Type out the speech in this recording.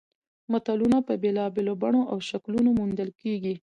متلونه په بېلابېلو بڼو او شکلونو موندل کیږي